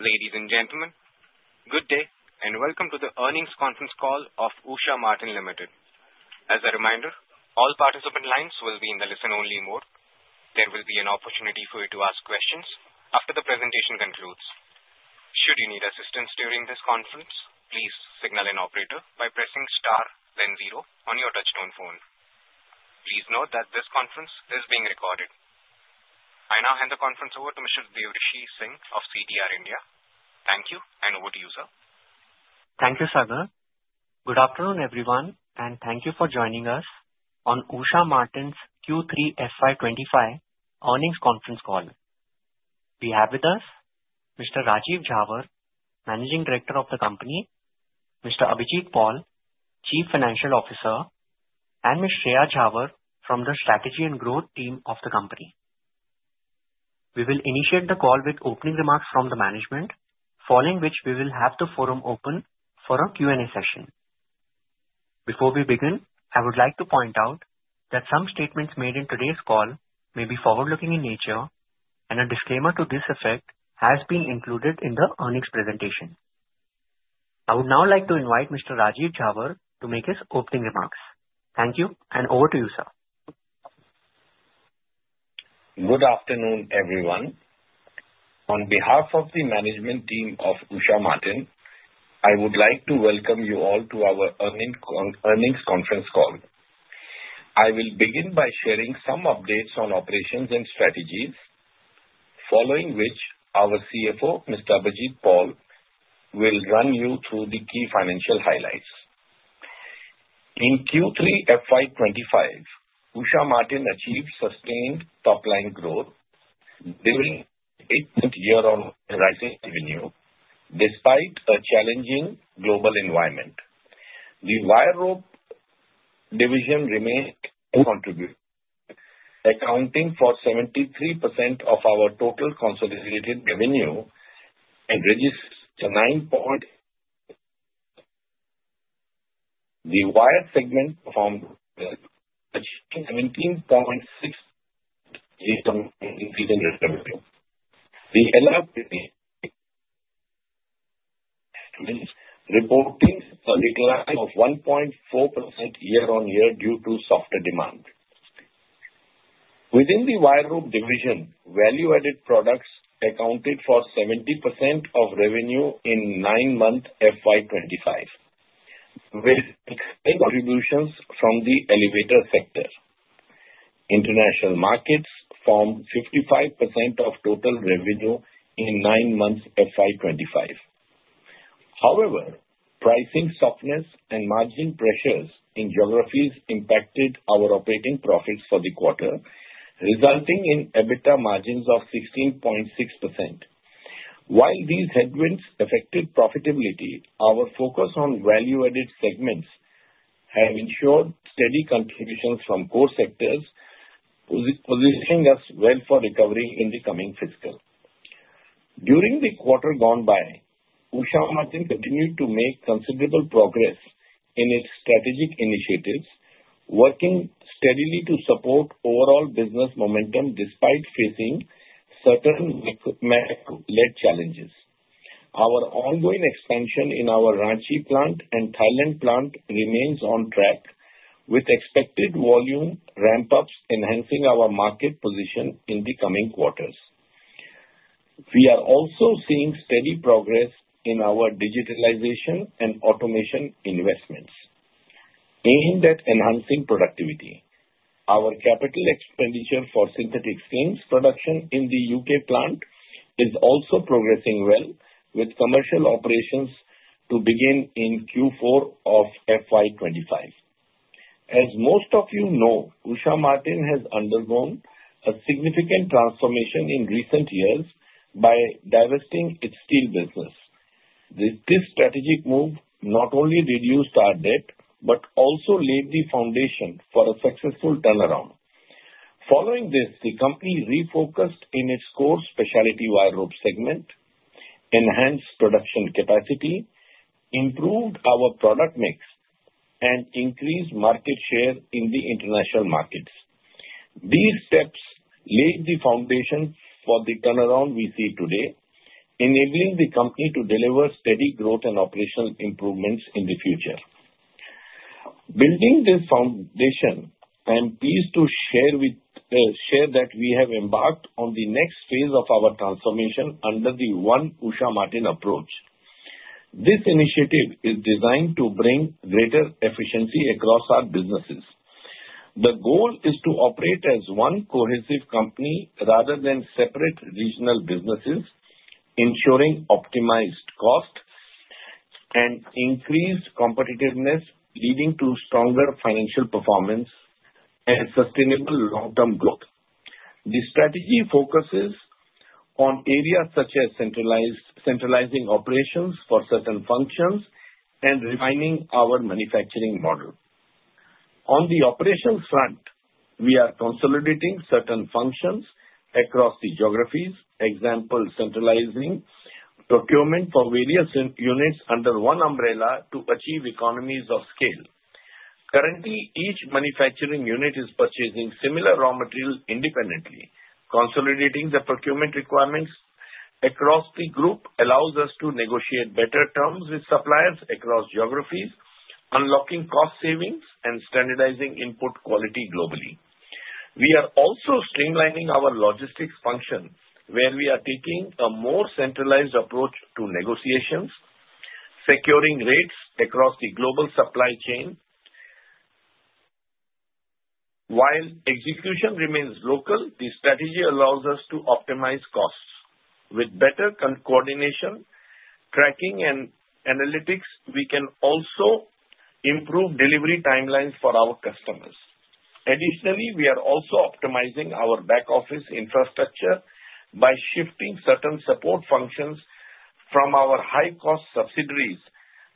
Ladies and gentlemen, good day and welcome to the earnings conference call of Usha Martin Limited. As a reminder, all participant lines will be in the listen-only mode. There will be an opportunity for you to ask questions after the presentation concludes. Should you need assistance during this conference, please signal an operator by pressing star, then zero on your touch-tone phone. Please note that this conference is being recorded. I now hand the conference over to Mr. Devrishi Singh of CDR India. Thank you, and over to Usha. Thank you, Sagar. Good afternoon, everyone, and thank you for joining us on Usha Martin's Q3 FY25 Earnings Conference Call. We have with us Mr. Rajeev Jhawar, Managing Director of the company; Mr. Abhijit Paul, Chief Financial Officer; and Ms. Shreya Jhawar from the Strategy and Growth team of the company. We will initiate the call with opening remarks from the management, following which we will have the forum open for a Q&A session. Before we begin, I would like to point out that some statements made in today's call may be forward-looking in nature, and a disclaimer to this effect has been included in the earnings presentation. I would now like to invite Mr. Rajeev Jhawar to make his opening remarks. Thank you, and over to Usha. Good afternoon, everyone. On behalf of the management team of Usha Martin, I would like to welcome you all to our earnings conference call. I will begin by sharing some updates on operations and strategies, following which our CFO, Mr. Abhijit Paul, will run you through the key financial highlights. In Q3 FY25, Usha Martin achieved sustained top-line growth during its year-on-year rising revenue despite a challenging global environment. The wire rope division remained accounting for 73% of our total consolidated revenue and registered 9.8%. The wire segment performed 17.6% increase in revenue. The LRPC reported a decline of 1.4% year-on-year due to softer demand. Within the wire rope division, value-added products accounted for 70% of revenue in nine months FY25, with contributions from the elevator sector. International markets formed 55% of total revenue in nine months FY25. However, pricing softness and margin pressures in geographies impacted our operating profits for the quarter, resulting in EBITDA margins of 16.6%. While these headwinds affected profitability, our focus on value-added segments has ensured steady contributions from core sectors, positioning us well for recovery in the coming fiscal. During the quarter gone by, Usha Martin continued to make considerable progress in its strategic initiatives, working steadily to support overall business momentum despite facing certain macro-led challenges. Our ongoing expansion in our Ranchi plant and Thailand plant remains on track, with expected volume ramp-ups enhancing our market position in the coming quarters. We are also seeing steady progress in our digitalization and automation investments, aimed at enhancing productivity. Our capital expenditure for synthetic slings production in the UK plant is also progressing well, with commercial operations to begin in Q4 of FY25. As most of you know, Usha Martin has undergone a significant transformation in recent years by divesting its steel business. This strategic move not only reduced our debt but also laid the foundation for a successful turnaround. Following this, the company refocused in its core specialty wire rope segment, enhanced production capacity, improved our product mix, and increased market share in the international markets. These steps laid the foundation for the turnaround we see today, enabling the company to deliver steady growth and operational improvements in the future. Building this foundation, I am pleased to share that we have embarked on the next phase of our transformation under the One Usha Martin approach. This initiative is designed to bring greater efficiency across our businesses. The goal is to operate as one cohesive company rather than separate regional businesses, ensuring optimized cost and increased competitiveness, leading to stronger financial performance and sustainable long-term growth. The strategy focuses on areas such as centralizing operations for certain functions and refining our manufacturing model. On the operational front, we are consolidating certain functions across the geographies, example: centralizing procurement for various units under one umbrella to achieve economies of scale. Currently, each manufacturing unit is purchasing similar raw material independently, consolidating the procurement requirements across the group, which allows us to negotiate better terms with suppliers across geographies, unlocking cost savings and standardizing input quality globally. We are also streamlining our logistics function, where we are taking a more centralized approach to negotiations, securing rates across the global supply chain. While execution remains local, the strategy allows us to optimize costs. With better coordination, tracking, and analytics, we can also improve delivery timelines for our customers. Additionally, we are also optimizing our back-office infrastructure by shifting certain support functions from our high-cost subsidiaries'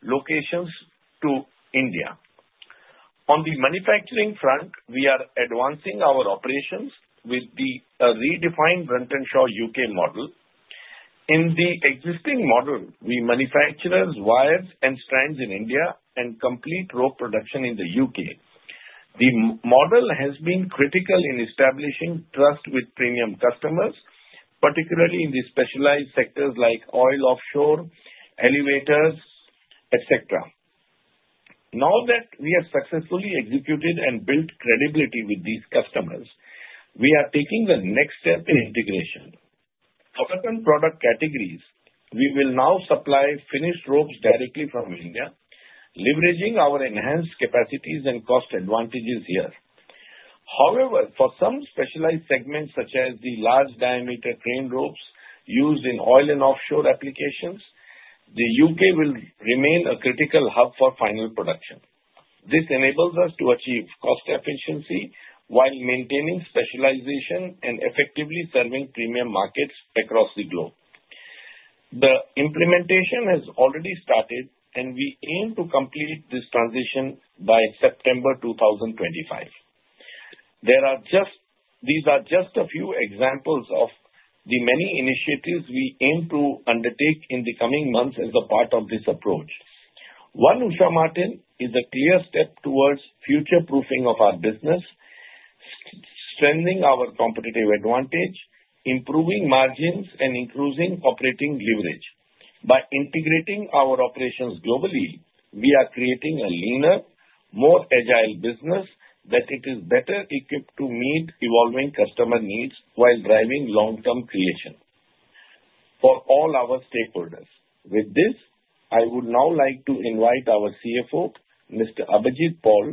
locations to India. On the manufacturing front, we are advancing our operations with the redefined Brunton Shaw UK model. In the existing model, we manufacture wires and strands in India and complete rope production in the UK. The model has been critical in establishing trust with premium customers, particularly in the specialized sectors like oil and offshore, elevators, etc. Now that we have successfully executed and built credibility with these customers, we are taking the next step in integration. For certain product categories, we will now supply finished ropes directly from India, leveraging our enhanced capacities and cost advantages here. However, for some specialized segments, such as the large-diameter crane ropes used in oil and offshore applications, the U.K. will remain a critical hub for final production. This enables us to achieve cost efficiency while maintaining specialization and effectively serving premium markets across the globe. The implementation has already started, and we aim to complete this transition by September 2025. These are just a few examples of the many initiatives we aim to undertake in the coming months as a part of this approach. One Usha Martin is a clear step towards future-proofing of our business, strengthening our competitive advantage, improving margins, and increasing operating leverage. By integrating our operations globally, we are creating a leaner, more agile business that is better equipped to meet evolving customer needs while driving long-term creation for all our stakeholders. With this, I would now like to invite our CFO, Mr. Abhijit Paul,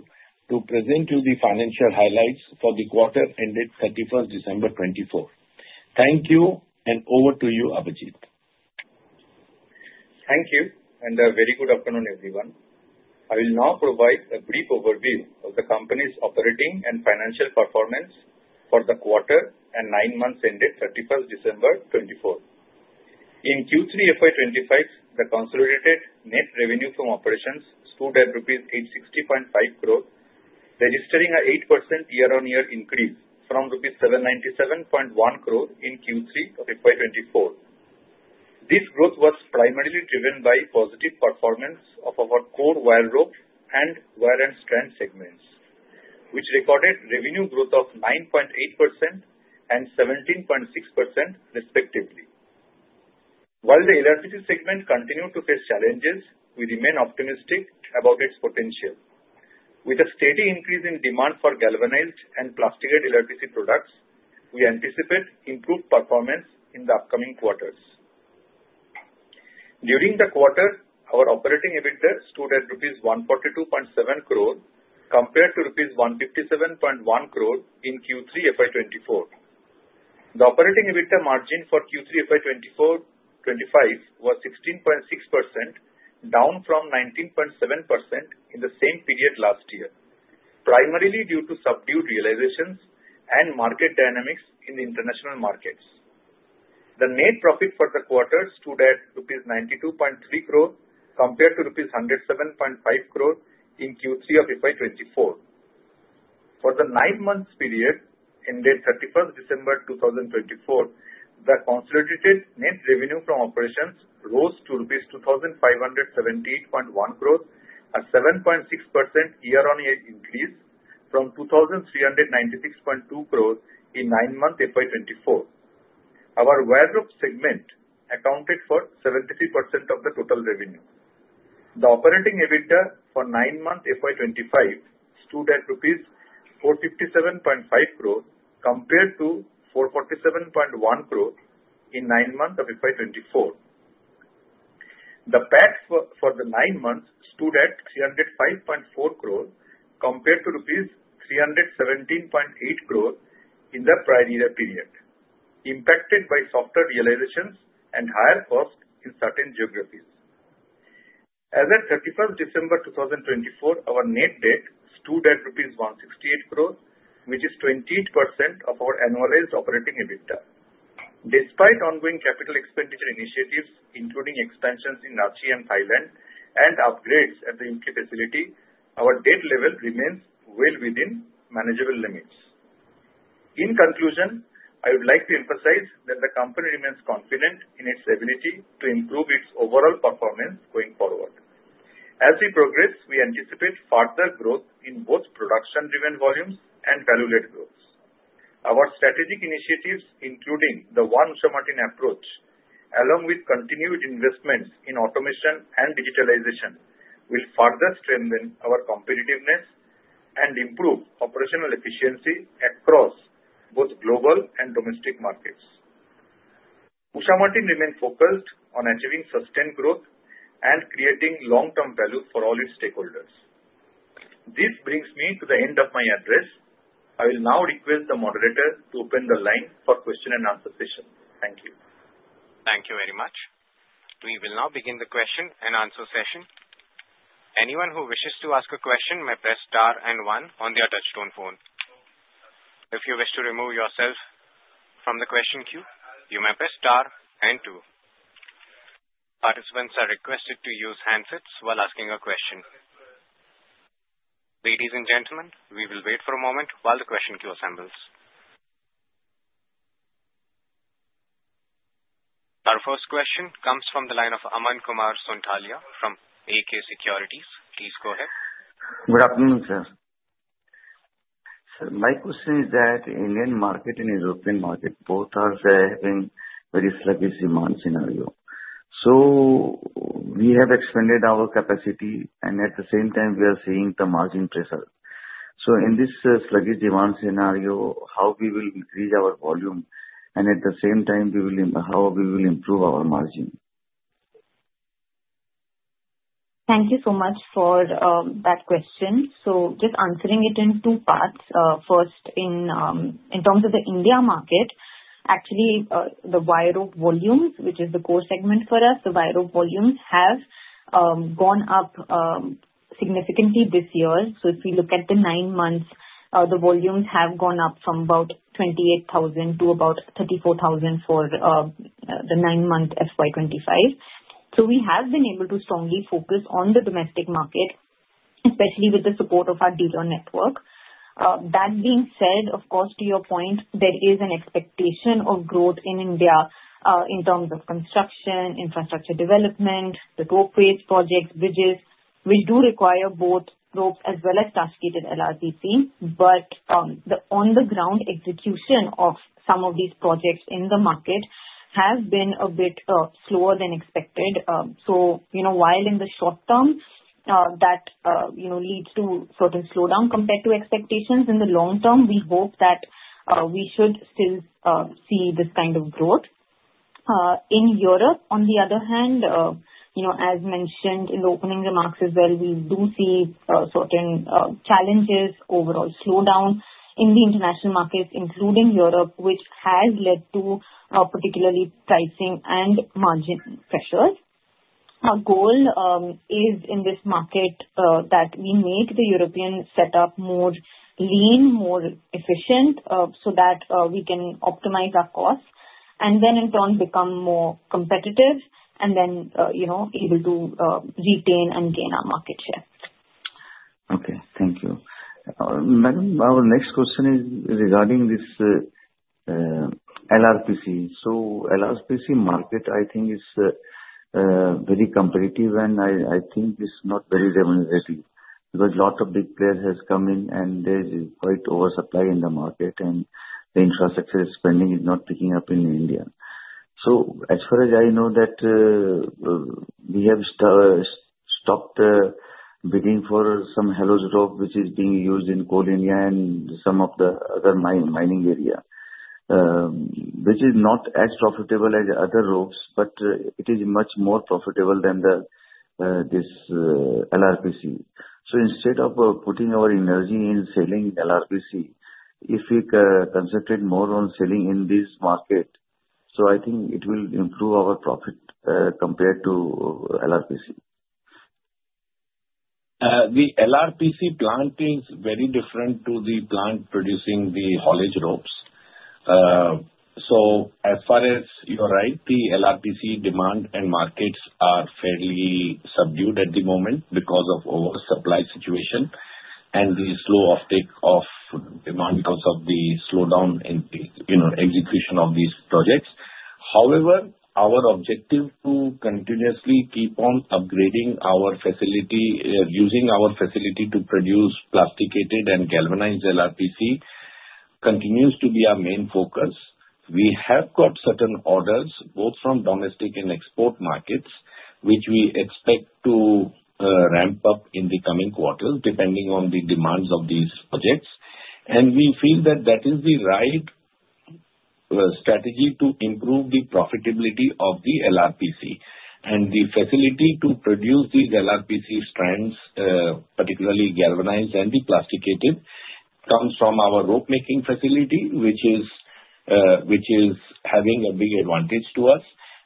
to present you the financial highlights for the quarter ended 31st December 2024. Thank you, and over to you, Abhijit. Thank you, and a very good afternoon, everyone. I will now provide a brief overview of the company's operating and financial performance for the quarter and nine months ended 31st December 2024. In Q3 FY25, the consolidated net revenue from operations stood at rupees 860.5 crore, registering an 8% year-on-year increase from rupees 797.1 crore in Q3 of FY24. This growth was primarily driven by positive performance of our core wire rope and wire and strand segments, which recorded revenue growth of 9.8% and 17.6%, respectively. While the LRPC segment continued to face challenges, we remain optimistic about its potential. With a steady increase in demand for galvanized and plasticated LRPC products, we anticipate improved performance in the upcoming quarters. During the quarter, our operating EBITDA stood at rupees 142.7 crore compared to rupees 157.1 crore in Q3 FY24. The operating EBITDA margin for Q3 FY25 was 16.6%, down from 19.7% in the same period last year, primarily due to subdued realizations and market dynamics in the international markets. The net profit for the quarter stood at rupees 92.3 crore compared to rupees 107.5 crore in Q3 of FY24. For the nine-month period ended 31st December 2024, the consolidated net revenue from operations rose to rupees 2,578.1 crore, a 7.6% year-on-year increase from 2,396.2 crore in nine-month FY24. Our wire rope segment accounted for 73% of the total revenue. The operating EBITDA for nine-month FY25 stood at INR 457.5 crore compared to INR 447.1 crore in nine months of FY24. The PAT for the nine months stood at INR 305.4 crore compared to INR 317.8 crore in the prior year period, impacted by softer realizations and higher costs in certain geographies. As of 31st December 2024, our net debt stood at rupees 168 crore, which is 28% of our annualized operating EBITDA. Despite ongoing capital expenditure initiatives, including expansions in Ranchi and Thailand and upgrades at the U.K. facility, our debt level remains well within manageable limits. In conclusion, I would like to emphasize that the company remains confident in its ability to improve its overall performance going forward. As we progress, we anticipate further growth in both production-driven volumes and value-led growth. Our strategic initiatives, including the One Usha Martin approach, along with continued investments in automation and digitalization, will further strengthen our competitiveness and improve operational efficiency across both global and domestic markets. Usha Martin remains focused on achieving sustained growth and creating long-term value for all its stakeholders. This brings me to the end of my address. I will now request the moderator to open the line for question and answer session. Thank you. Thank you very much. We will now begin the question and answer session. Anyone who wishes to ask a question may press star and one on their touch-tone phone. If you wish to remove yourself from the question queue, you may press star and two. Participants are requested to use handsets while asking a question. Ladies and gentlemen, we will wait for a moment while the question queue assembles. Our first question comes from the line of Aman Kumar Sontalia from AK Securities. Please go ahead. Good afternoon, sir. Sir, my question is that the Indian market and European market both are having very sluggish demand scenario. So we have expanded our capacity, and at the same time, we are seeing the margin pressure. So in this sluggish demand scenario, how we will increase our volume and at the same time, how we will improve our margin? Thank you so much for that question. So just answering it in two parts. First, in terms of the India market, actually, the wire rope volumes, which is the core segment for us, the wire rope volumes have gone up significantly this year. So if we look at the nine months, the volumes have gone up from about 28,000 to about 34,000 for the nine-month FY25. So we have been able to strongly focus on the domestic market, especially with the support of our dealer network. That being said, of course, to your point, there is an expectation of growth in India in terms of construction, infrastructure development, the rope-based projects, bridges, which do require both ropes as well as cascaded LRPC. But the on-the-ground execution of some of these projects in the market has been a bit slower than expected. So while in the short term, that leads to a certain slowdown compared to expectations, in the long term, we hope that we should still see this kind of growth. In Europe, on the other hand, as mentioned in the opening remarks as well, we do see certain challenges, overall slowdown in the international markets, including Europe, which has led to particularly pricing and margin pressures. Our goal is in this market that we make the European setup more lean, more efficient so that we can optimize our costs and then, in turn, become more competitive and then able to retain and gain our market share. Okay. Thank you. Madam, our next question is regarding this LRPC. So LRPC market, I think, is very competitive, and I think it's not very revenue-ready because a lot of big players have come in, and there is quite oversupply in the market, and the infrastructure spending is not picking up in India. So as far as I know, we have stopped bidding for some haulage rope, which is being used in Coal India and some of the other mining area, which is not as profitable as other ropes, but it is much more profitable than this LRPC. So instead of putting our energy in selling LRPC, if we concentrate more on selling in this market, so I think it will improve our profit compared to LRPC. The LRPC plant is very different from the plant producing the haulage ropes. So as far as you're right, the LRPC demand and markets are fairly subdued at the moment because of oversupply situation and the slow uptake of demand because of the slowdown in the execution of these projects. However, our objective to continuously keep on upgrading our facility, using our facility to produce plasticated and galvanized LRPC, continues to be our main focus. We have got certain orders both from domestic and export markets, which we expect to ramp up in the coming quarters depending on the demands of these projects. We feel that that is the right strategy to improve the profitability of the LRPC. The facility to produce these LRPC strands, particularly galvanized and the plasticated, comes from our rope-making facility, which is having a big advantage to us.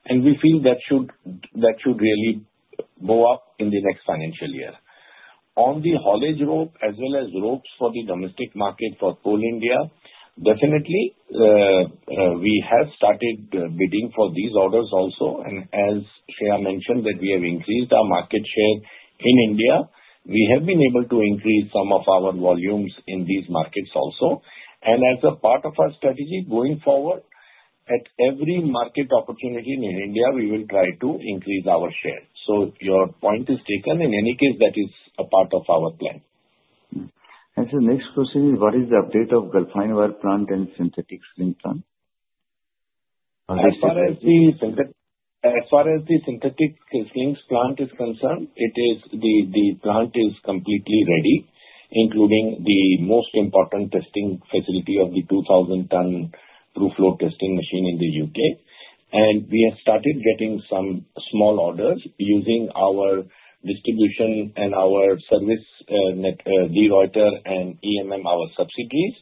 And we feel that should really go up in the next financial year. On the haulage rope, as well as ropes for the domestic market for Coal India, definitely, we have started bidding for these orders also. And as Shreya mentioned, that we have increased our market share in India, we have been able to increase some of our volumes in these markets also. And as a part of our strategy going forward, at every market opportunity in India, we will try to increase our share. So your point is taken. In any case, that is a part of our plan. Sir, next question is, what is the update of Galfan Wire Plant and Synthetic Sling Plant? As far as the Synthetic Slings Plant is concerned, the plant is completely ready, including the most important testing facility of the 2,000-ton through-flow testing machine in the UK. And we have started getting some small orders using our distribution and our service De Ruiter and EMM, our subsidiaries.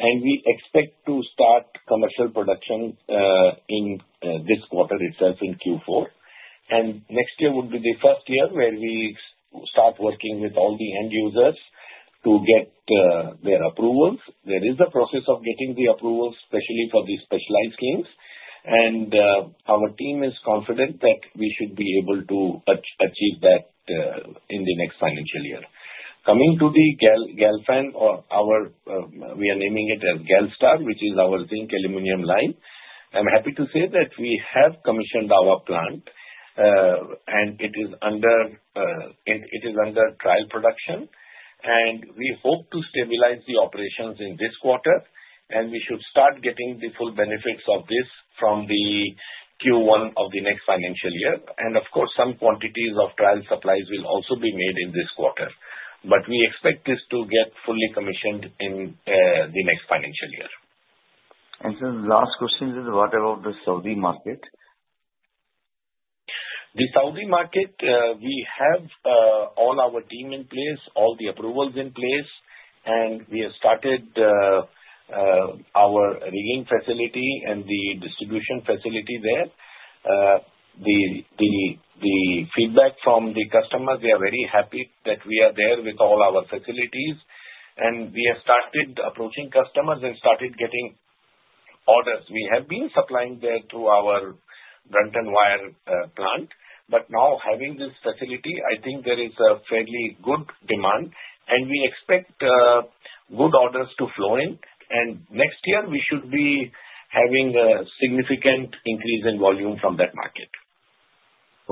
And we expect to start commercial production in this quarter itself in Q4. And next year would be the first year where we start working with all the end users to get their approvals. There is a process of getting the approvals, especially for the specialized slings. And our team is confident that we should be able to achieve that in the next financial year. Coming to the Galfan, we are naming it as Galstar, which is our zinc aluminum line. I'm happy to say that we have commissioned our plant, and it is under trial production. And we hope to stabilize the operations in this quarter, and we should start getting the full benefits of this from the Q1 of the next financial year. And of course, some quantities of trial supplies will also be made in this quarter. But we expect this to get fully commissioned in the next financial year. Sir, the last question is, what about the Saudi market? The Saudi market, we have all our team in place, all the approvals in place, and we have started our rigging facility and the distribution facility there. The feedback from the customers, they are very happy that we are there with all our facilities. And we have started approaching customers and started getting orders. We have been supplying there through our Brunton Wire Plant. But now, having this facility, I think there is a fairly good demand, and we expect good orders to flow in. And next year, we should be having a significant increase in volume from that market.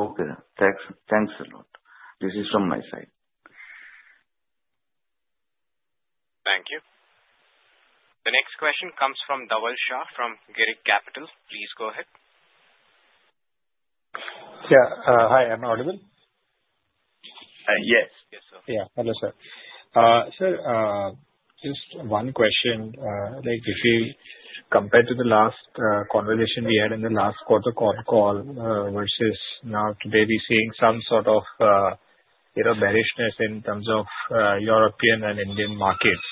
Okay. Thanks a lot. This is from my side. Thank you. The next question comes from Dhaval Shah from Girik Capital. Please go ahead. Yeah. Hi. I'm audible? Yes. Yeah. Hello, sir. Sir, just one question. If you compare to the last conversation we had in the last quarter call versus now, today, we're seeing some sort of bearishness in terms of European and Indian markets.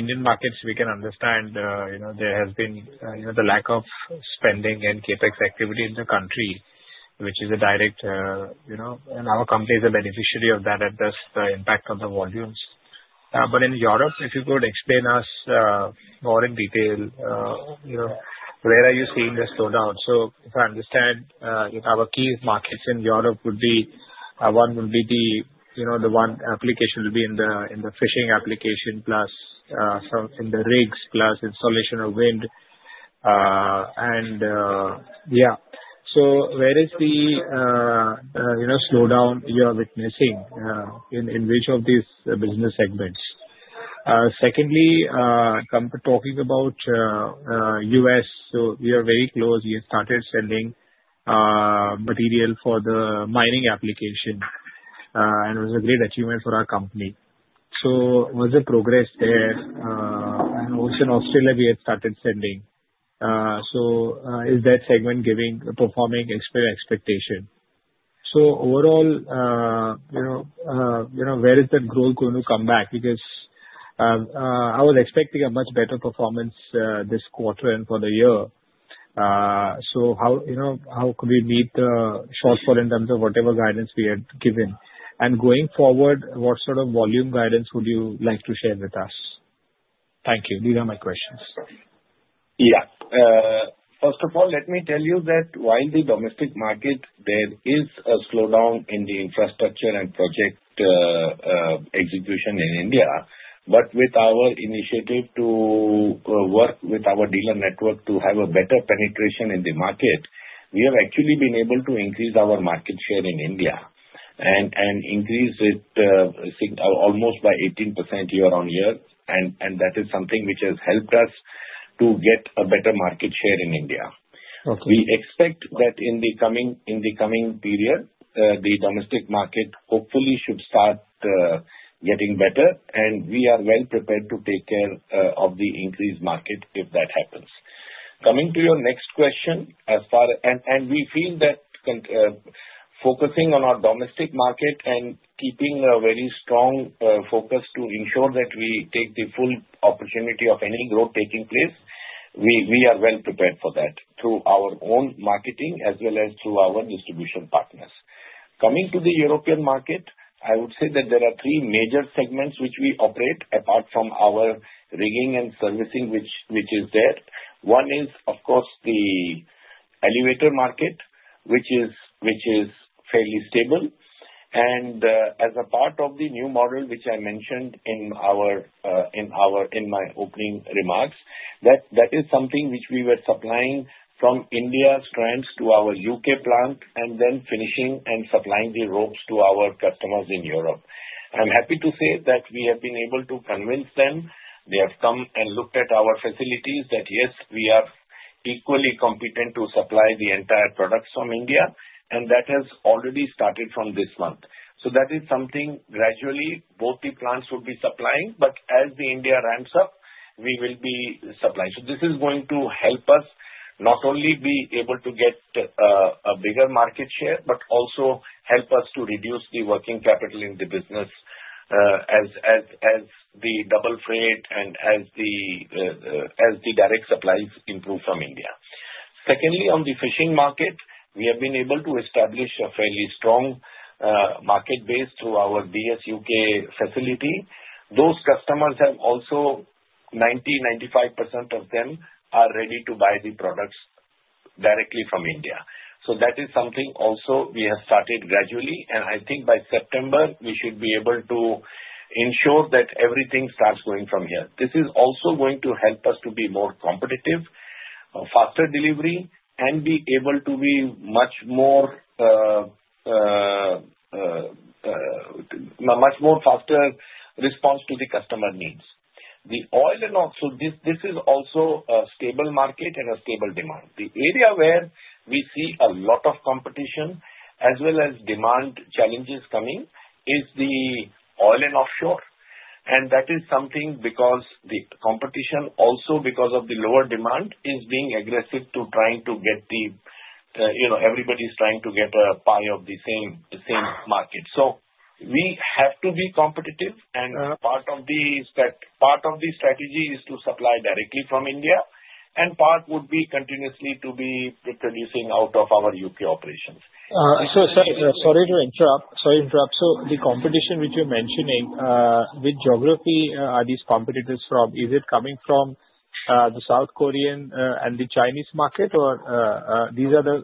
Indian markets, we can understand there has been the lack of spending and CapEx activity in the country, which is a direct, and our company is a beneficiary of that, at best, the impact on the volumes. But in Europe, if you could explain to us more in detail, where are you seeing the slowdown? So if I understand, our key markets in Europe would be one would be the one application would be in the fishing application plus in the rigs plus installation of wind. And yeah. So where is the slowdown you are witnessing in which of these business segments? Secondly, talking about US, so we are very close. We have started sending material for the mining application, and it was a great achievement for our company. So what's the progress there? And also in Australia, we had started sending. So is that segment performing expected expectation? So overall, where is that growth going to come back? Because I was expecting a much better performance this quarter and for the year. So how could we meet the shortfall in terms of whatever guidance we had given? And going forward, what sort of volume guidance would you like to share with us? Thank you. These are my questions. Yeah. First of all, let me tell you that while the domestic market, there is a slowdown in the infrastructure and project execution in India. But with our initiative to work with our dealer network to have a better penetration in the market, we have actually been able to increase our market share in India and increase it almost by 18% year-on-year. And that is something which has helped us to get a better market share in India. We expect that in the coming period, the domestic market hopefully should start getting better, and we are well prepared to take care of the increased market if that happens. Coming to your next question, as far as we feel that focusing on our domestic market and keeping a very strong focus to ensure that we take the full opportunity of any growth taking place, we are well prepared for that through our own marketing as well as through our distribution partners. Coming to the European market, I would say that there are three major segments which we operate apart from our rigging and servicing, which is there. One is, of course, the elevator market, which is fairly stable. And as a part of the new model, which I mentioned in my opening remarks, that is something which we were supplying from Indian strands to our UK plant and then finishing and supplying the ropes to our customers in Europe. I'm happy to say that we have been able to convince them. They have come and looked at our facilities that, yes, we are equally competent to supply the entire products from India, and that has already started from this month. So that is something gradually both the plants would be supplying, but as the India ramps up, we will be supplying. So this is going to help us not only be able to get a bigger market share, but also help us to reduce the working capital in the business as the double freight and as the direct supplies improve from India. Secondly, on the fishing market, we have been able to establish a fairly strong market base through our DS UK facility. Those customers have also 90%-95% of them are ready to buy the products directly from India. So that is something also we have started gradually. And I think by September, we should be able to ensure that everything starts going from here. This is also going to help us to be more competitive, faster delivery, and be able to be much more faster response to the customer needs. The oil and offshore, this is also a stable market and a stable demand. The area where we see a lot of competition as well as demand challenges coming is the oil and offshore. And that is something because the competition, also because of the lower demand, is being aggressive, everybody's trying to get a pie of the same market. So we have to be competitive. And part of the strategy is to supply directly from India, and part would be continuously to be producing out of our UK operations. So, sir, sorry to interrupt. So, the competition which you're mentioning with geography, are these competitors from? Is it coming from the South Korean and the Chinese market, or these are the?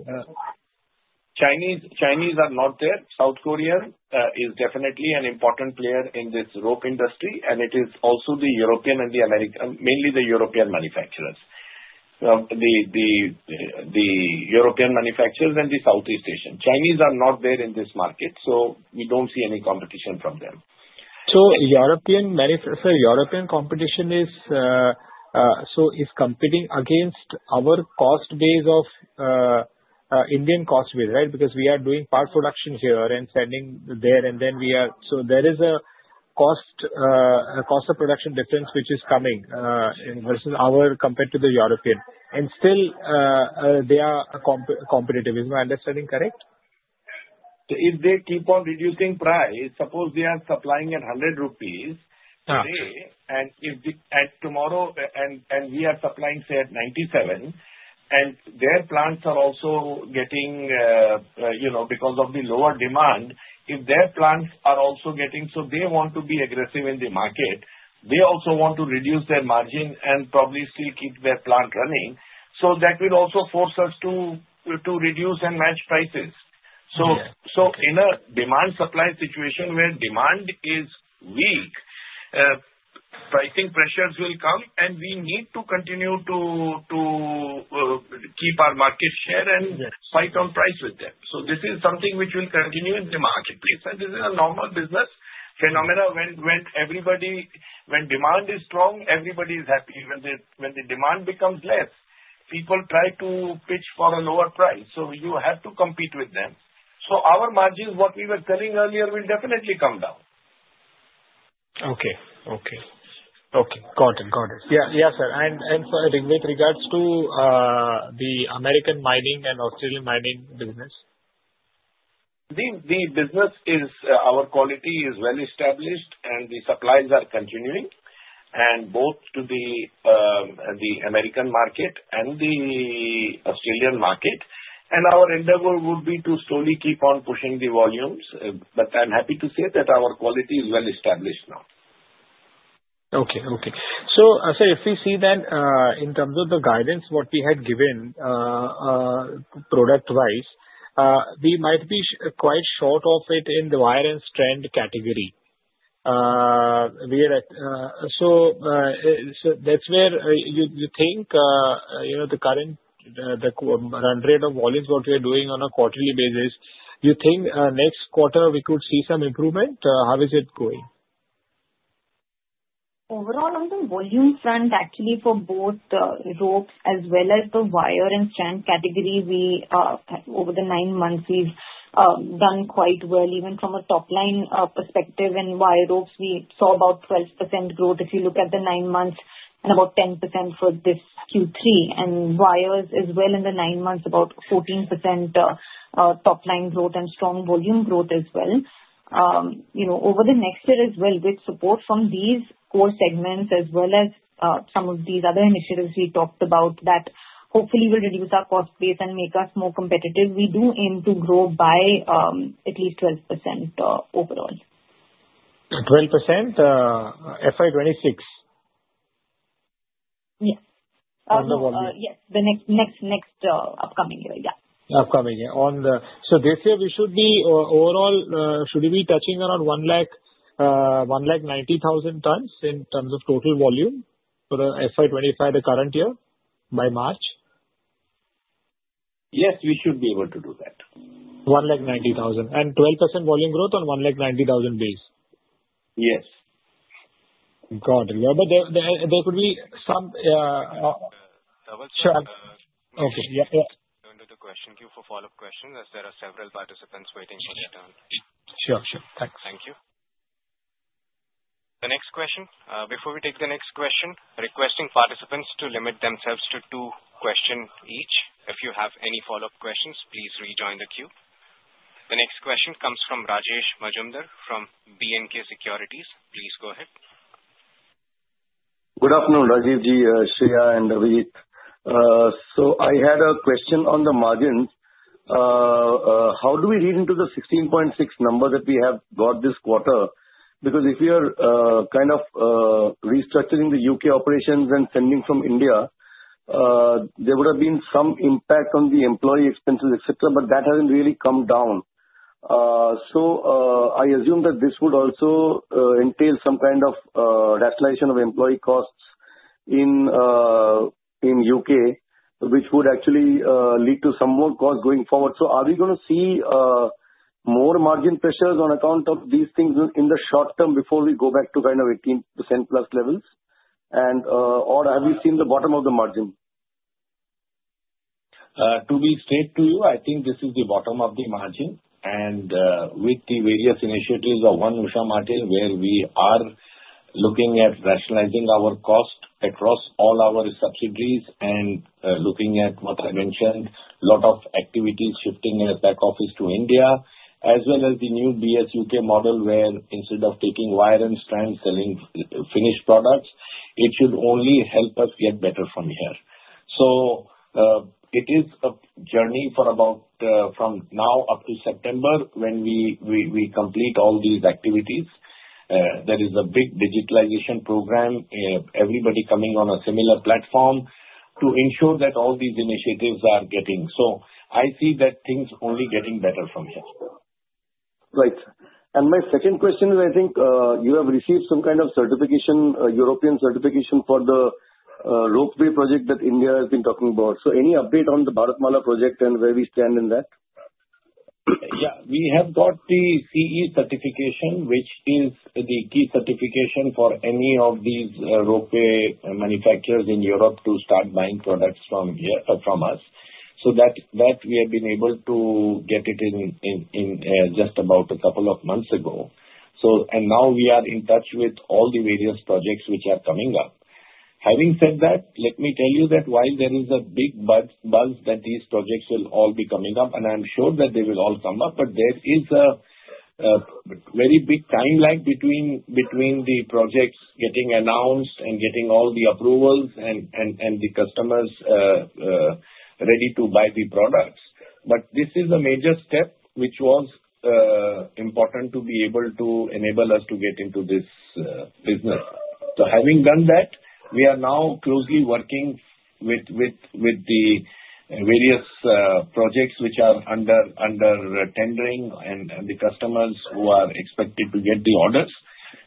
Chinese are not there. South Korea is definitely an important player in this rope industry, and it is also the European and the American, mainly the European manufacturers. The European manufacturers and the Southeast Asian. Chinese are not there in this market, so we don't see any competition from them. So, European manufacturer, European competition is competing against our cost base of Indian cost base, right? Because we are doing part production here and sending there, and then there is a cost of production difference which is coming versus our compared to the European. And still, they are competitive. Is my understanding correct? If they keep on reducing price, suppose they are supplying at 100 rupees today, and tomorrow, and we are supplying, say, at 97, and their plants are also getting because of the lower demand, if their plants are also getting so they want to be aggressive in the market, they also want to reduce their margin and probably still keep their plant running, so that will also force us to reduce and match prices. So in a demand-supply situation where demand is weak, pricing pressures will come, and we need to continue to keep our market share and fight on price with them, so this is something which will continue in the marketplace, and this is a normal business phenomenon. When demand is strong, everybody is happy. When the demand becomes less, people try to pitch for a lower price, so you have to compete with them. So our margins, what we were telling earlier, will definitely come down. Okay. Got it. Yeah, sir. And so with regards to the American mining and Australian mining business? The business is, our quality is well established, and the supplies are continuing both to the American market and the Australian market, and our endeavor would be to slowly keep on pushing the volumes, but I'm happy to say that our quality is well established now. Okay. So, sir, if we see, then, in terms of the guidance, what we had given product-wise, we might be quite short of it in the wire and strand category. So that's where you think the current run rate of volumes, what we are doing on a quarterly basis. You think next quarter we could see some improvement? How is it going? Overall, on the volume front, actually, for both the ropes as well as the wire and strand category, over the nine months, we've done quite well. Even from a top-line perspective in wire ropes, we saw about 12% growth if you look at the nine months and about 10% for this Q3, and wires as well, in the nine months, about 14% top-line growth and strong volume growth as well. Over the next year as well, with support from these core segments as well as some of these other initiatives we talked about that hopefully will reduce our cost base and make us more competitive, we do aim to grow by at least 12% overall. 12%? FI26? Yes. On the volume? Yes. The next upcoming year. Yeah. Upcoming year. So this year, we should be overall, should we be touching around 1,090,000 tons in terms of total volume for FY25 the current year by March? Yes. We should be able to do that. 1,090,000. And 12% volume growth on 1,090,000 base? Yes. Got it. But there could be some. Daval? Sure. I wanted to question you for follow-up questions as there are several participants waiting for their turn. Sure. Sure. Thanks. Thank you. The next question. Before we take the next question, requesting participants to limit themselves to two questions each. If you have any follow-up questions, please rejoin the queue. The next question comes from Rajesh Majumdar from B&K Securities. Please go ahead. Good afternoon, Rajeev, Shreya, and Abhijit. So I had a question on the margins. How do we read into the 16.6% number that we have got this quarter? Because if we are kind of restructuring the U.K. operations and sending from India, there would have been some impact on the employee expenses, etc., but that hasn't really come down. So I assume that this would also entail some kind of rationalization of employee costs in U.K., which would actually lead to some more costs going forward. So are we going to see more margin pressures on account of these things in the short term before we go back to kind of 18% plus levels? Have we seen the bottom of the margin? To be straight to you, I think this is the bottom of the margin. With the various initiatives of One Usha Martin, where we are looking at rationalizing our cost across all our subsidiaries and looking at, what I mentioned, a lot of activities shifting back office to India, as well as the new Brunton Shaw UK model where instead of taking wire and strands, selling finished products, it should only help us get better from here. It is a journey for about from now up to September when we complete all these activities. There is a big digitalization program, everybody coming on a similar platform to ensure that all these initiatives are getting. I see that things only getting better from here. Right. And my second question is, I think you have received some kind of certification, European certification for the rope project that India has been talking about. So any update on the Bharatmala project and where we stand in that? Yeah. We have got the CE Certification, which is the key certification for any of these ropeway manufacturers in Europe to start buying products from us. So that we have been able to get it in just about a couple of months ago. And now we are in touch with all the various projects which are coming up. Having said that, let me tell you that while there is a big buzz that these projects will all be coming up, and I'm sure that they will all come up, but there is a very big time lag between the projects getting announced and getting all the approvals and the customers ready to buy the products. But this is a major step which was important to be able to enable us to get into this business. So having done that, we are now closely working with the various projects which are under tendering and the customers who are expected to get the orders.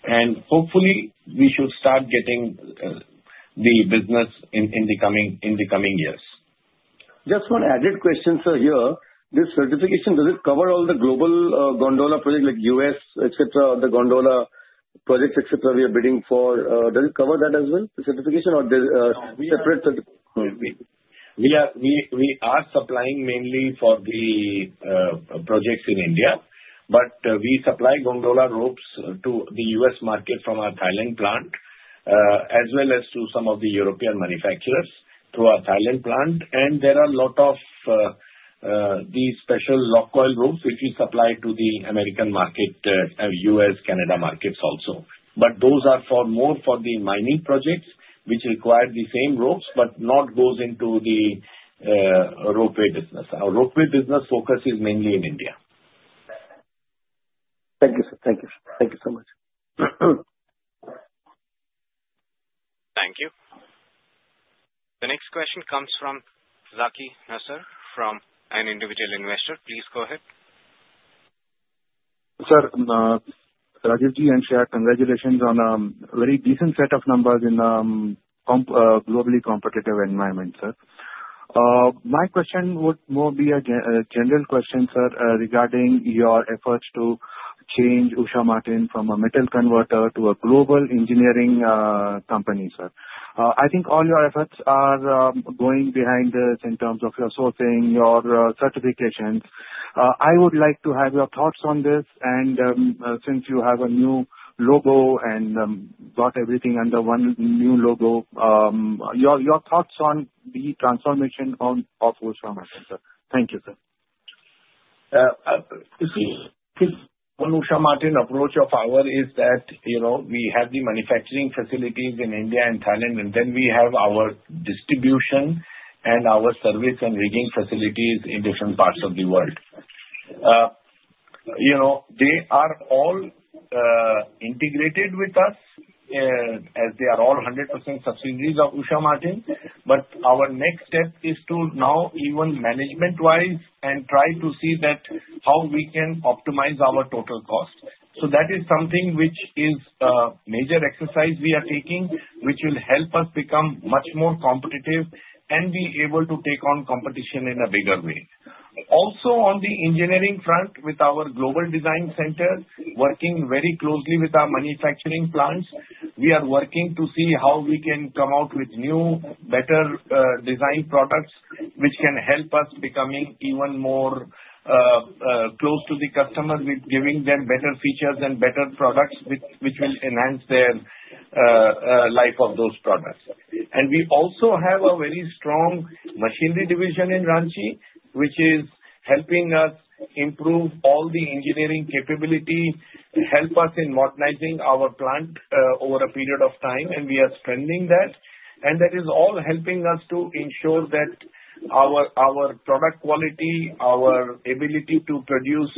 And hopefully, we should start getting the business in the coming years. Just one added question, sir, here. This certification, does it cover all the global Gondola project like US, etc., the Gondola projects, etc., we are bidding for? Does it cover that as well, the certification, or separate? We are supplying mainly for the projects in India, but we supply Gondola ropes to the U.S. market from our Thailand plant as well as to some of the European manufacturers through our Thailand plant. And there are a lot of these Special locked coil ropes which we supply to the American market and U.S., Canada markets also. But those are more for the mining projects which require the same ropes, but not goes into the ropeway business. Our ropeway business focus is mainly in India. Thank you, sir. Thank you, sir. Thank you so much. Thank you. The next question comes from Zaki Naser from an individual investor. Please go ahead. Sir, Rajeev and Shreya, congratulations on a very decent set of numbers in a globally competitive environment, sir. My question would more be a general question, sir, regarding your efforts to change Usha Martin from a metal converter to a global engineering company, sir. I would like to have your thoughts on this. And since you have a new logo and got everything under one new logo, your thoughts on the transformation of Usha Martin, sir? Thank you, sir. See, One Usha Martin approach of ours is that we have the manufacturing facilities in India and Thailand, and then we have our distribution and our service and rigging facilities in different parts of the world. They are all integrated with us as they are all 100% subsidiaries of Usha Martin. But our next step is to now even management-wise and try to see how we can optimize our total cost. So that is something which is a major exercise we are taking, which will help us become much more competitive and be able to take on competition in a bigger way. Also, on the engineering front, with our global design center working very closely with our manufacturing plants, we are working to see how we can come out with new, better design products which can help us becoming even more close to the customers with giving them better features and better products which will enhance the life of those products. And we also have a very strong machinery division in Ranchi, which is helping us improve all the engineering capability, help us in modernizing our plant over a period of time, and we are spending that. And that is all helping us to ensure that our product quality, our ability to produce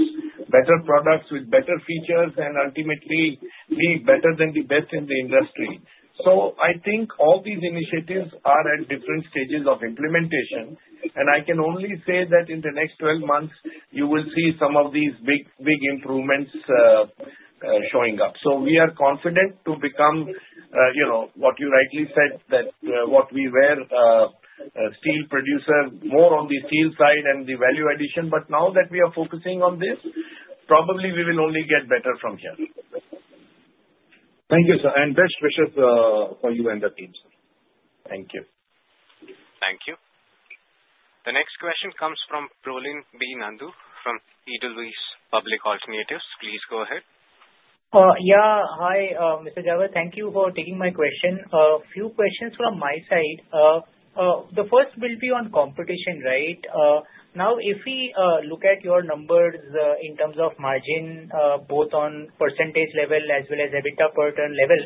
better products with better features, and ultimately, be better than the best in the industry. So I think all these initiatives are at different stages of implementation. I can only say that in the next 12 months, you will see some of these big improvements showing up. We are confident to become what you rightly said, that what we were, a steel producer, more on the steel side and the value addition. Now that we are focusing on this, probably we will only get better from here. Thank you, sir. And best wishes for you and the team, sir. Thank you. Thank you. The next question comes from Pralin Nandu from InvesQ Investment Advisors. Please go ahead. Yeah. Hi, Mr. Jhawar. Thank you for taking my question. A few questions from my side. The first will be on competition, right? Now, if we look at your numbers in terms of margin, both on percentage level as well as EBITDA per ton level,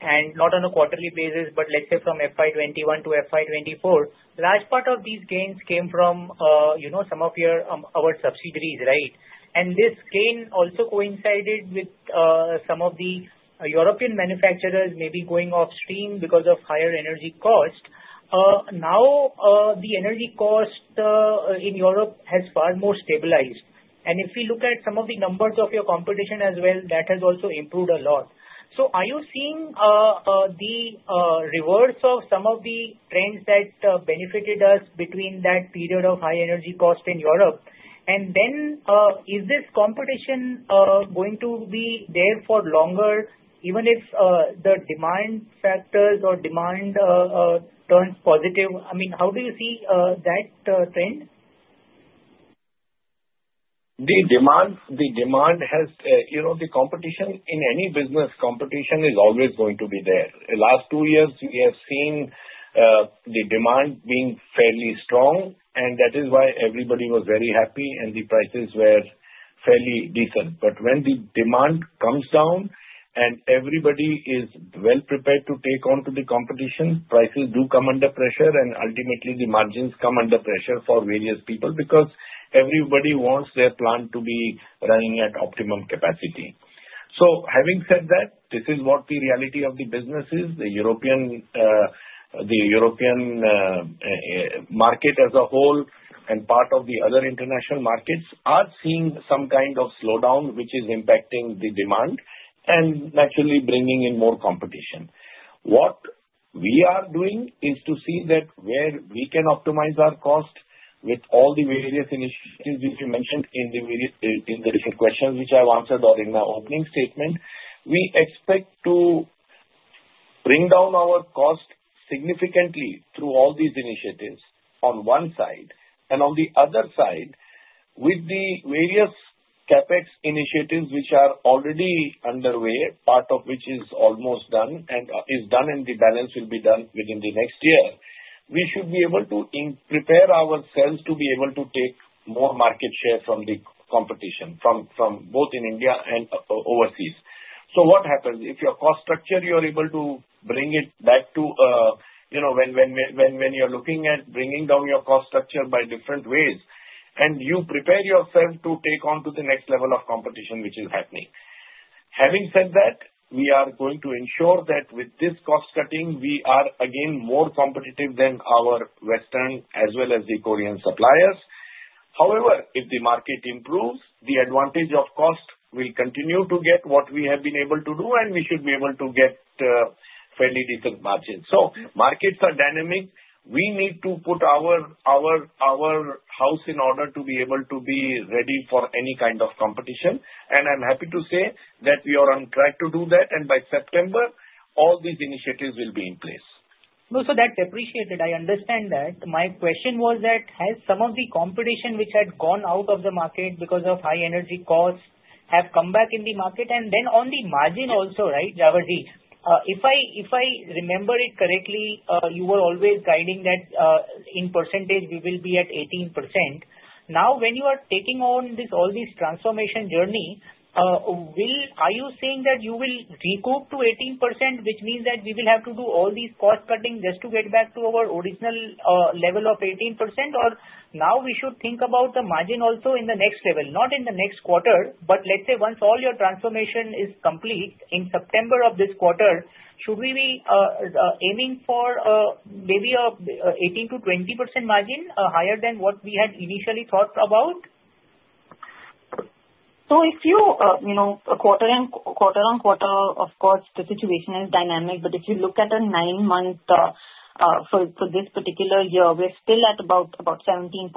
and not on a quarterly basis, but let's say from FY21 to FY24, large part of these gains came from some of our subsidiaries, right? And this gain also coincided with some of the European manufacturers maybe going off-stream because of higher energy cost. Now, the energy cost in Europe has far more stabilized. And if we look at some of the numbers of your competition as well, that has also improved a lot. So are you seeing the reverse of some of the trends that benefited us between that period of high energy cost in Europe? And then is this competition going to be there for longer, even if the demand factors or demand turns positive? I mean, how do you see that trend? The demand has the competition in any business. Competition is always going to be there. The last two years, we have seen the demand being fairly strong, and that is why everybody was very happy and the prices were fairly decent. But when the demand comes down and everybody is well prepared to take on to the competition, prices do come under pressure, and ultimately, the margins come under pressure for various people because everybody wants their plant to be running at optimum capacity. So having said that, this is what the reality of the business is. The European market as a whole and part of the other international markets are seeing some kind of slowdown, which is impacting the demand and naturally bringing in more competition. What we are doing is to see that where we can optimize our cost with all the various initiatives which you mentioned in the questions which I've answered or in my opening statement, we expect to bring down our cost significantly through all these initiatives on one side. And on the other side, with the various CapEx initiatives which are already underway, part of which is almost done and is done, and the balance will be done within the next year, we should be able to prepare ourselves to be able to take more market share from the competition, both in India and overseas. So what happens? If your cost structure, you're able to bring it back to when you're looking at bringing down your cost structure by different ways, and you prepare yourself to take on to the next level of competition which is happening. Having said that, we are going to ensure that with this cost cutting, we are again more competitive than our Western as well as the Korean suppliers. However, if the market improves, the advantage of cost will continue to get what we have been able to do, and we should be able to get fairly decent margins. So markets are dynamic. We need to put our house in order to be able to be ready for any kind of competition. And I'm happy to say that we are on track to do that. And by September, all these initiatives will be in place. No, sir, that's appreciated. I understand that. My question was that has some of the competition which had gone out of the market because of high energy costs have come back in the market? And then on the margin also, right, Jhawar, if I remember it correctly, you were always guiding that in percentage, we will be at 18%. Now, when you are taking on all this transformation journey, are you saying that you will recoup to 18%, which means that we will have to do all these cost cutting just to get back to our original level of 18%? Or now we should think about the margin also in the next level, not in the next quarter, but let's say once all your transformation is complete in September of this quarter, should we be aiming for maybe a 18%-20% margin higher than what we had initially thought about? So if you quarter on quarter, of course, the situation is dynamic. But if you look at a nine-month for this particular year, we're still at about 17.7%.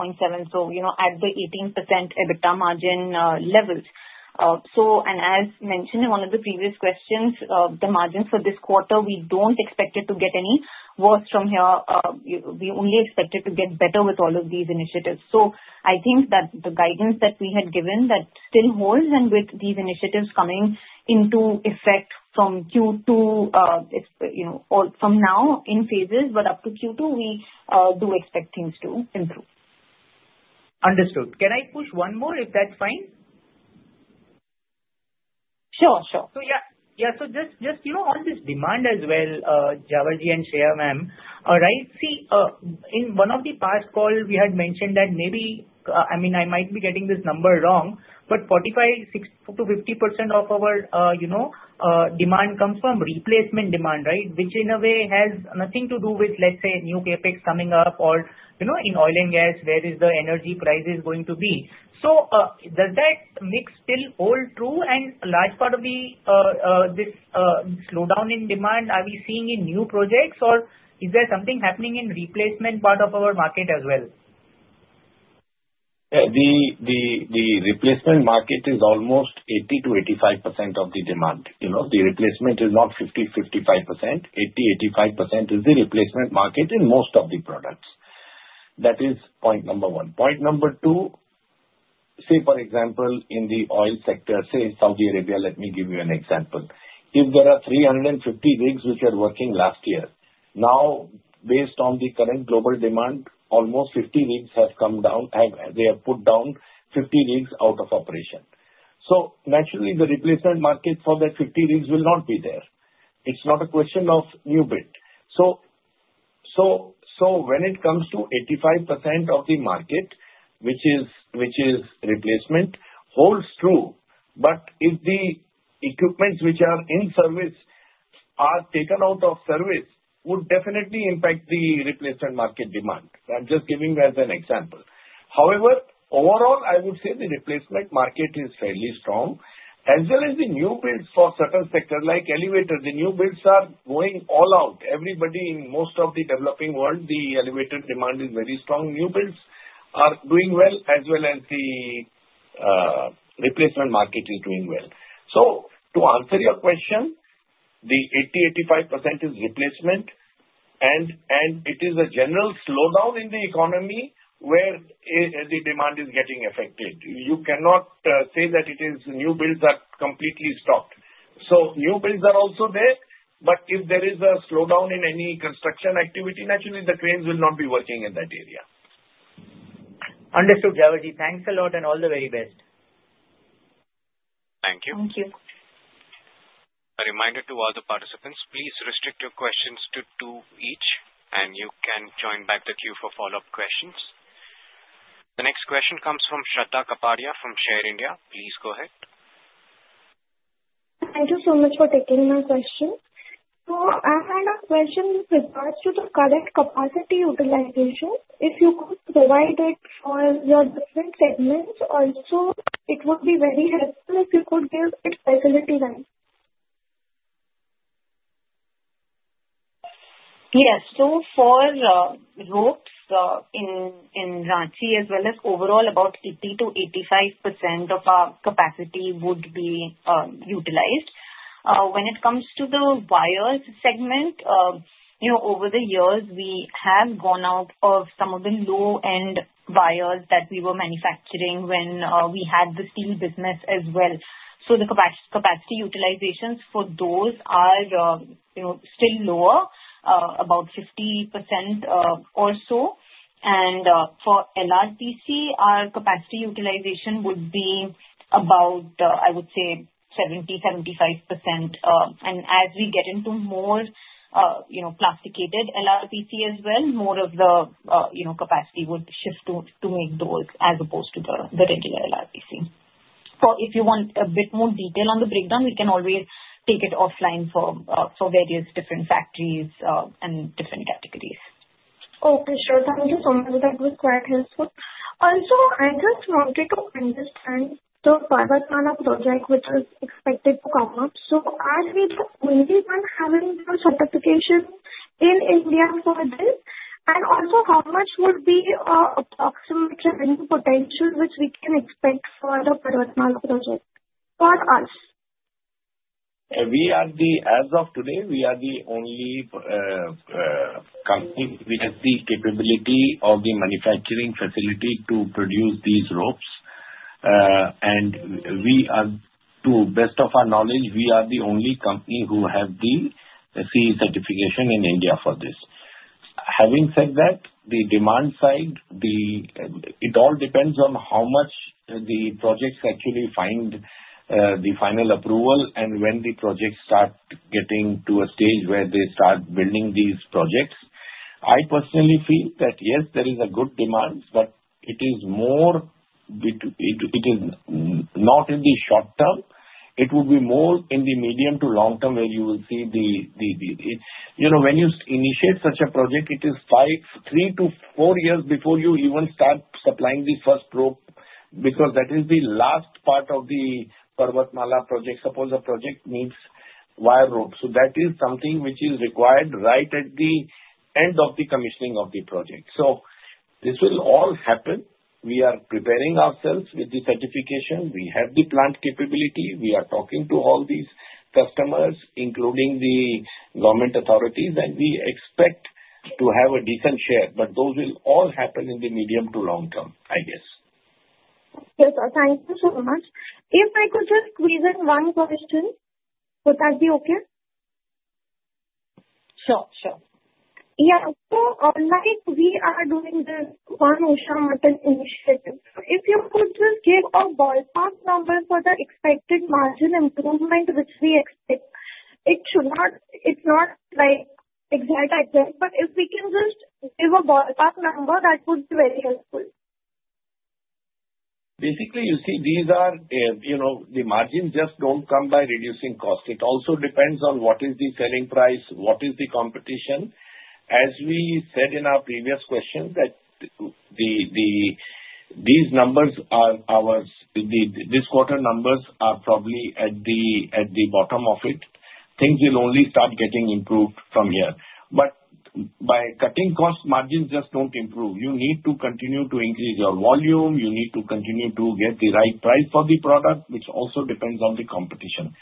So at the 18% EBITDA margin levels. And as mentioned in one of the previous questions, the margins for this quarter, we don't expect it to get any worse from here. We only expect it to get better with all of these initiatives. So I think that the guidance that we had given still holds and with these initiatives coming into effect from Q2, from now in phases, but up to Q2, we do expect things to improve. Understood. Can I push one more if that's fine? Sure, sure. So yeah. Yeah. So just on this demand as well, Rajeev and Shreya ma'am, right? See, in one of the past calls, we had mentioned that maybe I mean, I might be getting this number wrong, but 45%-50% of our demand comes from replacement demand, right, which in a way has nothing to do with, let's say, new CapEx coming up or in oil and gas, where is the energy prices going to be? So does that mix still hold true? a large part of this slowdown in demand that we are seeing in new projects, or is there something happening in the replacement part of our market as well? The replacement market is almost 80%-85% of the demand. The replacement is not 50%-55%. 80%-85% is the replacement market in most of the products. That is point number one. Point number two, say, for example, in the oil sector, say, Saudi Arabia, let me give you an example. If there are 350 rigs which are working last year, now, based on the current global demand, almost 50 rigs have come down. They have put down 50 rigs out of operation. So naturally, the replacement market for that 50 rigs will not be there. It's not a question of new build. So when it comes to 85% of the market, which is replacement, holds true. But if the equipment which is in service is taken out of service, it would definitely impact the replacement market demand. I'm just giving you as an example. However, overall, I would say the replacement market is fairly strong. As well as the new builds for certain sectors like elevators, the new builds are going all out. Everybody in most of the developing world, the elevator demand is very strong. New builds are doing well as well as the replacement market is doing well. So to answer your question, the 80%-85% is replacement, and it is a general slowdown in the economy where the demand is getting affected. You cannot say that it is new builds are completely stopped. So new builds are also there. But if there is a slowdown in any construction activity, naturally, the cranes will not be working in that area. Understood, Jhawar. Thanks a lot and all the very best. Thank you. Thank you. A reminder to all the participants, please restrict your questions to two each, and you can join back the queue for follow-up questions. The next question comes from Shraddha Kapadia from Share India. Please go ahead. Thank you so much for taking my question. So I had a question with regards to the current capacity utilization. If you could provide it for your different segments, also it would be very helpful if you could give it facility-wise. Yes. So for ropes in Ranchi as well as overall, about 80%-85% of our capacity would be utilized. When it comes to the wires segment, over the years, we have gone out of some of the low-end wires that we were manufacturing when we had the steel business as well. So the capacity utilizations for those are still lower, about 50% or so. And for LRPC, our capacity utilization would be about, I would say, 70%-75%. And as we get into more plasticated LRPC as well, more of the capacity would shift to make those as opposed to the regular LRPC. So if you want a bit more detail on the breakdown, we can always take it offline for various different factories and different categories. Okay. Sure. Thank you so much. That was quite helpful. Also, I just wanted to understand the Parvatmala project which is expected to come up. So are we going to be done having the certification in India for this? And also, how much would be approximately the potential which we can expect for the Parvatmala project for us? As of today, we are the only company with the capability of the manufacturing facility to produce these ropes. And to the best of our knowledge, we are the only company who has the CE certification in India for this. Having said that, on the demand side, it all depends on how much the projects actually find the final approval and when the projects start getting to a stage where they start building these projects. I personally feel that, yes, there is a good demand, but it is more. It is not in the short term. It would be more in the medium to long term where you will see when you initiate such a project, it is like three to four years before you even start supplying the first rope because that is the last part of the Parvatmala project. Suppose a project needs wire ropes. So that is something which is required right at the end of the commissioning of the project. So this will all happen. We are preparing ourselves with the certification. We have the plant capability. We are talking to all these customers, including the government authorities, and we expect to have a decent share. But those will all happen in the medium to long term, I guess. Yes, sir. Thank you so much. If I could just squeeze in one question, would that be okay? Sure, sure. Yeah. So we are doing this One Usha Martin initiative. If you could just give a ballpark number for the expected margin improvement which we expect, it's not exactly there. But if we can just give a ballpark number, that would be very helpful. Basically, you see, these are the margins just don't come by reducing cost. It also depends on what is the selling price, what is the competition. As we said in our previous question, that these numbers, our this quarter numbers, are probably at the bottom of it. Things will only start getting improved from here. But by cutting costs, margins just don't improve. You need to continue to increase your volume. You need to continue to get the right price for the product, which also depends on the competition.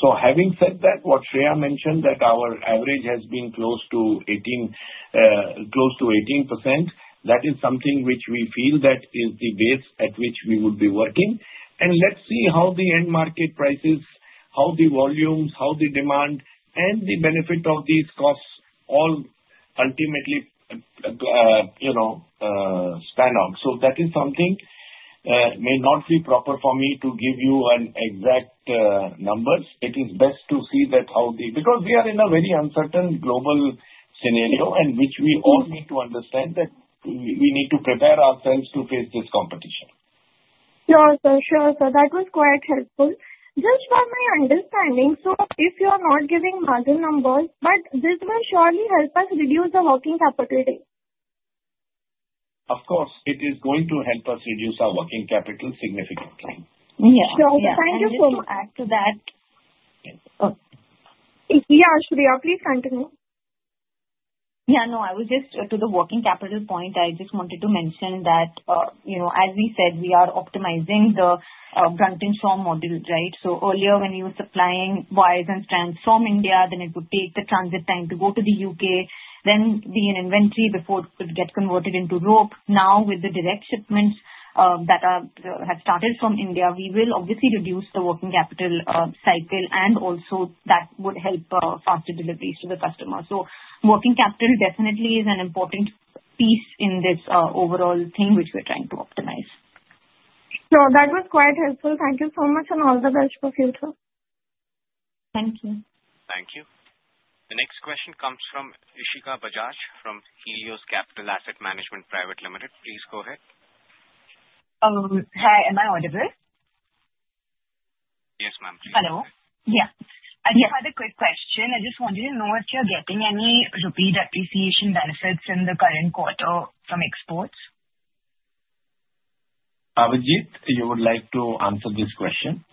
So having said that, what Shreya mentioned, that our average has been close to 18%, that is something which we feel that is the base at which we would be working. And let's see how the end market prices, how the volumes, how the demand, and the benefit of these costs all ultimately pan out. So that is something may not be proper for me to give you an exact number. It is best to see that how the because we are in a very uncertain global scenario and which we all need to understand that we need to prepare ourselves to face this competition. Sure, sir. Sure, sir. That was quite helpful. Just from my understanding, so if you are not giving margin numbers, but this will surely help us reduce the working capital today. Of course. It is going to help us reduce our working capital significantly. Yeah. Sure. Thank you so much for that. Yeah. Yeah, Shreya, please continue. Yeah. No, I was just to the working capital point, I just wanted to mention that, as we said, we are optimizing the Brunton Shaw module, right? So earlier, when you were supplying wires and strands from India, then it would take the transit time to go to the UK, then be in inventory before it could get converted into rope. Now, with the direct shipments that have started from India, we will obviously reduce the working capital cycle, and also that would help faster deliveries to the customer. So working capital definitely is an important piece in this overall thing which we're trying to optimize. So that was quite helpful. Thank you so much and all the best for future. Thank you. Thank you. The next question comes from Ishika Bajaj from Helios Capital Asset Management Private Limited. Please go ahead. Hi. Am I audible? Yes, ma'am, please. Hello. Yeah. I just had a quick question. I just wanted to know if you're getting any rupee appreciation benefits in the current quarter from exports? Abhijit, you would like to answer this question?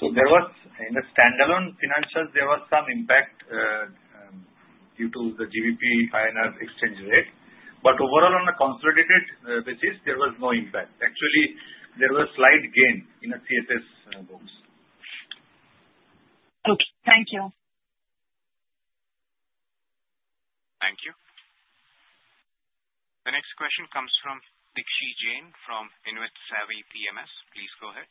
So there was in the standalone financials, there was some impact due to the GBP-INR exchange rate. But overall, on a consolidated basis, there was no impact. Actually, there was slight gain in the CSS books. Okay. Thank you. Thank you. The next question comes from Dikshit Jain from InvesQ Investment Advisors. Please go ahead.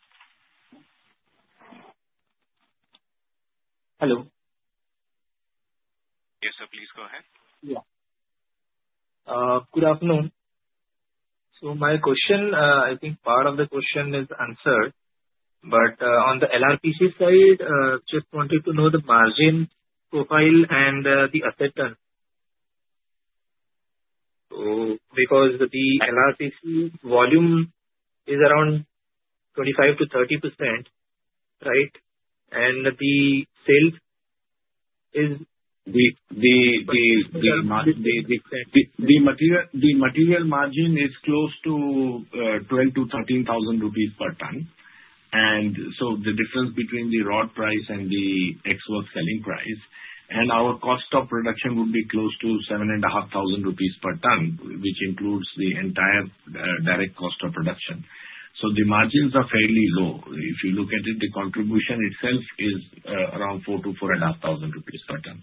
Hello. Yes, sir. Please go ahead. Yeah. Good afternoon. So my question, I think part of the question is answered. But on the LRPC side, just wanted to know the margin profile and the asset turn. So because the LRPC volume is around 25%-30%, right? And the sales is. The material margin is close to 12,000-13,000 rupees per ton. And so the difference between the raw price and the export selling price and our cost of production would be close to 7,500 rupees per ton, which includes the entire direct cost of production. So the margins are fairly low. If you look at it, the contribution itself is around 4,000-4,500 rupees per ton.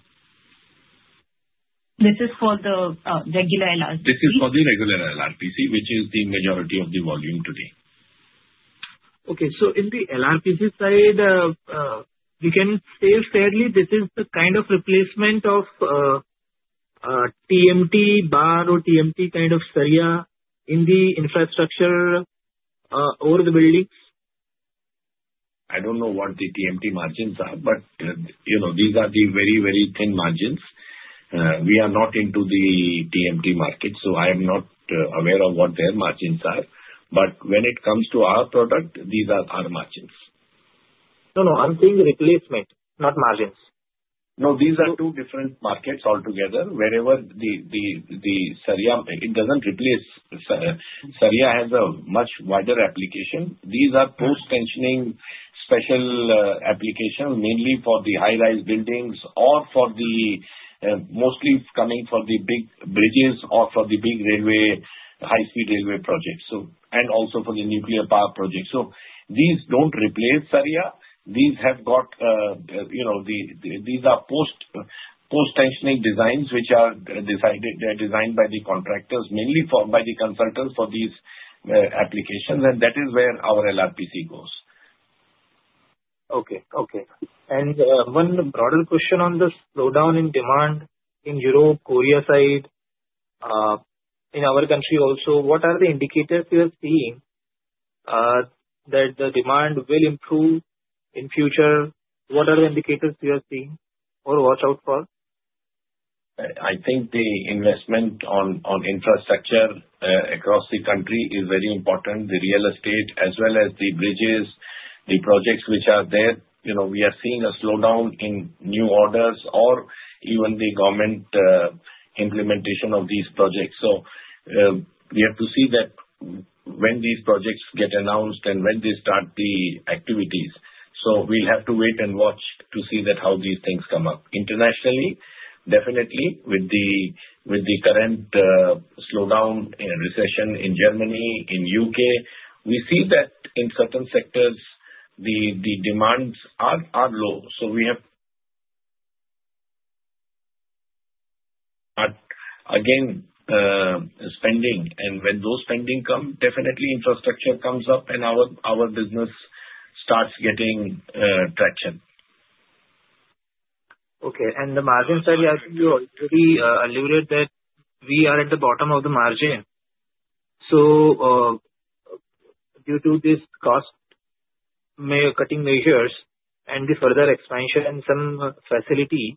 This is for the regular LRPC? This is for the regular LRPC, which is the majority of the volume today. Okay. In the LRPC side, we can safely say this is the kind of replacement of TMT bar or TMT kind of substitute in the infrastructure or the buildings. I don't know what the TMT margins are, but these are the very, very thin margins. We are not into the TMT market, so I am not aware of what their margins are. But when it comes to our product, these are our margins. No, no. I'm saying replacement, not margins. No, these are two different markets altogether. Wherever the wire it doesn't replace. Wire has a much wider application. These are post-tensioning special applications, mainly for the high-rise buildings or for the mostly coming for the big bridges or for the big railway, high-speed railway projects, and also for the nuclear power projects. So these don't replace wires. These have got these are post-tensioning designs which are designed by the contractors, mainly by the consultants for these applications. And that is where our LRPC goes. Okay. Okay. And one broader question on the slowdown in demand in Europe, Korea side, in our country also. What are the indicators you are seeing that the demand will improve in future? What are the indicators you are seeing or watch out for? I think the investment on infrastructure across the country is very important. The real estate as well as the bridges, the projects which are there, we are seeing a slowdown in new orders or even the government implementation of these projects, so we have to see that when these projects get announced and when they start the activities, so we'll have to wait and watch to see how these things come up. Internationally, definitely, with the current slowdown, recession in Germany, in U.K., we see that in certain sectors, the demands are low, so we have again spending and when those spending come, definitely infrastructure comes up and our business starts getting traction. Okay. And the margin side, I think you already alluded that we are at the bottom of the margin. So due to this cost cutting measures and the further expansion and some facility,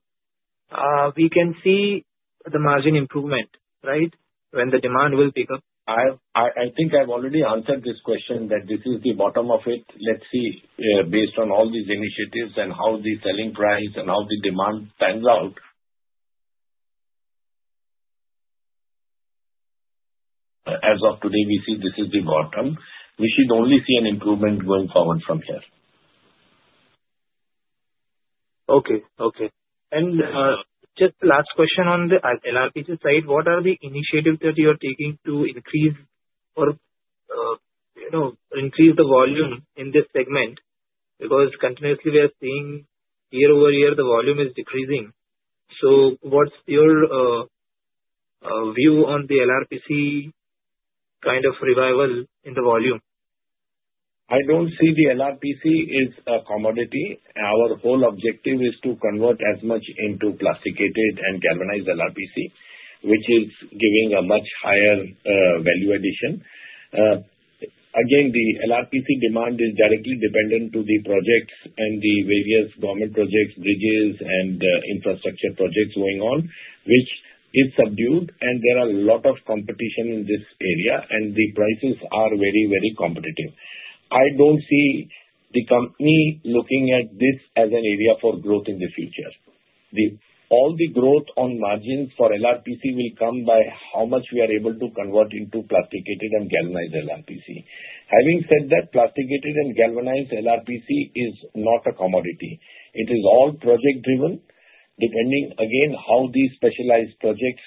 we can see the margin improvement, right, when the demand will pick up. I think I've already answered this question that this is the bottom of it. Let's see based on all these initiatives and how the selling price and how the demand pans out. As of today, we see this is the bottom. We should only see an improvement going forward from here. Okay. Okay. And just the last question on the LRPC side, what are the initiatives that you are taking to increase the volume in this segment? Because continuously we are seeing year over year, the volume is decreasing. So what's your view on the LRPC kind of revival in the volume? I don't see the LRPC as a commodity. Our whole objective is to convert as much into plasticated and galvanized LRPC, which is giving a much higher value addition. Again, the LRPC demand is directly dependent to the projects and the various government projects, bridges, and infrastructure projects going on, which is subdued, and there are a lot of competition in this area, and the prices are very, very competitive. I don't see the company looking at this as an area for growth in the future. All the growth on margins for LRPC will come by how much we are able to convert into plasticated and galvanized LRPC. Having said that, plasticated and galvanized LRPC is not a commodity. It is all project-driven, depending again how these specialized projects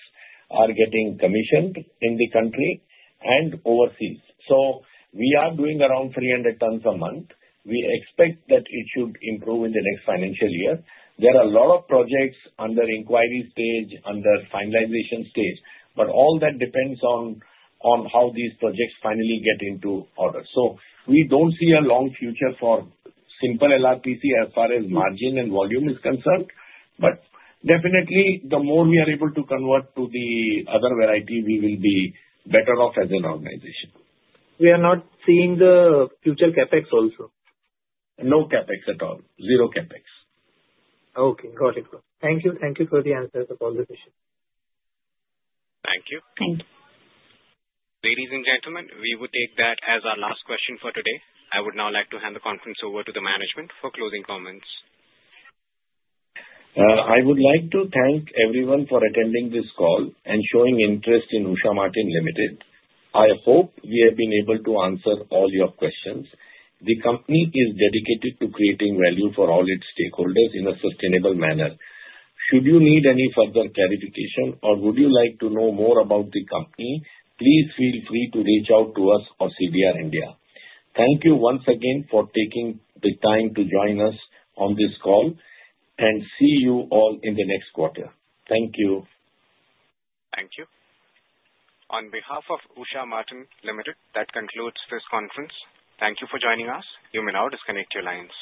are getting commissioned in the country and overseas, so we are doing around 300 tons a month. We expect that it should improve in the next financial year. There are a lot of projects under inquiry stage, under finalization stage, but all that depends on how these projects finally get into order. So we don't see a long future for simple LRPC as far as margin and volume is concerned. But definitely, the more we are able to convert to the other variety, we will be better off as an organization. We are not seeing the future CapEx also. No CapEx at all. Zero CapEx. Okay. Got it. Thank you. Thank you for the answers of all the questions. Thank you. Thank you. Ladies and gentlemen, we would take that as our last question for today. I would now like to hand the conference over to the management for closing comments. I would like to thank everyone for attending this call and showing interest in Usha Martin Limited. I hope we have been able to answer all your questions. The company is dedicated to creating value for all its stakeholders in a sustainable manner. Should you need any further clarification or would you like to know more about the company, please feel free to reach out to us or CDR India. Thank you once again for taking the time to join us on this call, and see you all in the next quarter. Thank you. Thank you. On behalf of Usha Martin Limited, that concludes this conference. Thank you for joining us. You may now disconnect your lines.